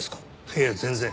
いや全然。